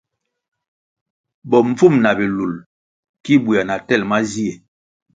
Bombvúm na bilul ki buéah na tel mazie.